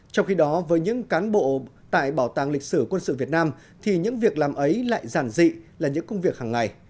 trong khi đó với những cán bộ tại bảo tàng lịch sử quân sự việt nam thì những việc làm ấy lại giản dị là những công việc hàng ngày